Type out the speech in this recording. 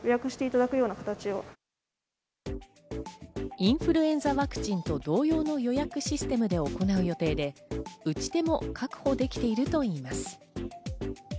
インフルエンザワクチンと同様の予約システムで行う予定で、打ち手も確保できているといいます。